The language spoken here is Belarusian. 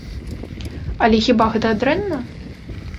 Але хіба гэта дрэнна?